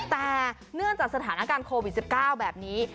แต่เนื่องจากสถานการณ์โควิด๑๙แบบนี้